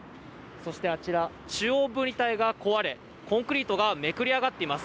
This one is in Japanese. そしてあちら、中央分離帯が壊れコンクリートがめくれ上がっています。